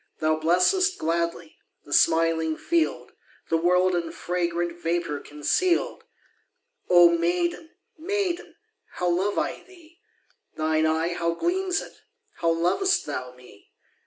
Thou blessest gladly The smiling field, The world in fragrant Vapour conceal'd. Oh maiden, maiden, How love I thee! Thine eye, how gleams it! How lov'st thou me!